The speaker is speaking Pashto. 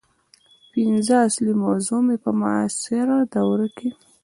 پنځمه اصلي موضوع مې په معاصره دوره کې